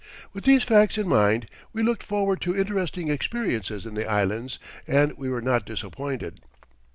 With these facts in mind, we looked forward to interesting experiences in the Islands, and we were not disappointed.